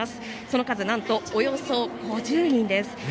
その数なんと、およそ５０人です。